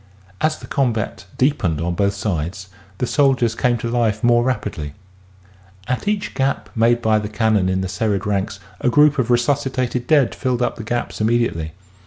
As the combat deepened on both sides, the soldiers came to life more rapidly. ... At each gap made by the cannon in the serried ranks a group of resuscitated dead filled up the gaps immedi ately.